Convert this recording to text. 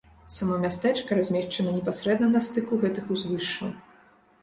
Само мястэчка размешчана непасрэдна на стыку гэтых узвышшаў.